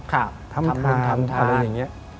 ทำทานอะไรอย่างนี้